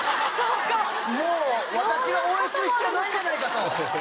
もう私が応援する必要ないんじゃないかと。